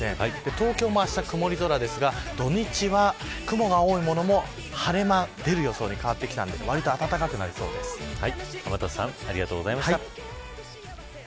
東京も、あした曇り空ですが土日は雲が多いものの晴れ間が出る予報に変わってきたので天達さんありがとうございました。